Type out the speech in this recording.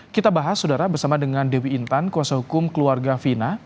kita bahas saudara bersama dengan dewi intan kuasa hukum keluarga fina